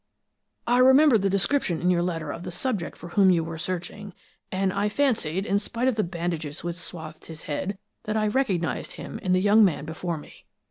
"I remembered the description in your letter of the subject for whom you were searching, and I fancied, in spite of the bandages which swathed his head, that I recognized him in the young man before me.